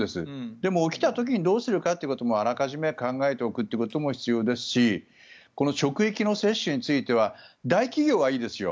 でも、起きた時にどうするかもあらかじめ考えておくことも必要ですしこの職域の接種については大企業はいいですよ。